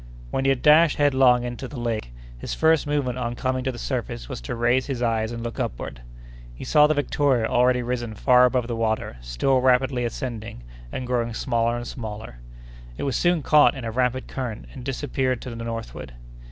When he had dashed headlong into the lake, his first movement on coming to the surface was to raise his eyes and look upward. He saw the Victoria already risen far above the water, still rapidly ascending and growing smaller and smaller. It was soon caught in a rapid current and disappeared to the northward.